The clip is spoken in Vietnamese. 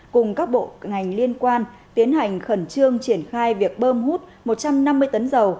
cùng các bộ ngành liên quan tiến hành khẩn trương triển khai việc bơm hút một trăm năm mươi tấn dầu